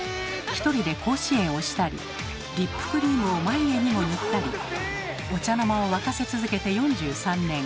ひとりで甲子園をしたりリップクリームを眉毛にも塗ったりお茶の間を沸かせ続けて４３年。